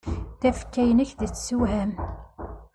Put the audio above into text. Tafekka-nnek d tasewhamt.